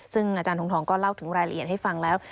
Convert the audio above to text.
ซึ่งอาจารย์ทรงทองก็เล่าถึงรายละเอียดให้ฟังแล้ว